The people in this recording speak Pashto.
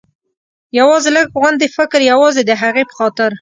یوازې لږ غوندې فکر، یوازې د هغې په خاطر.